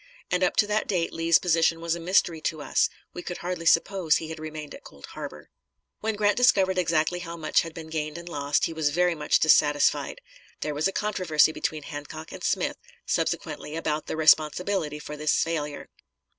And up to that date Lee's position was a mystery to us; we could hardly suppose he had remained at Cold Harbor. When Grant discovered exactly how much had been gained and lost, he was very much dissatisfied. There was a controversy between Hancock and Smith subsequently about the responsibility for this failure.